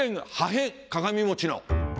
鏡餅の。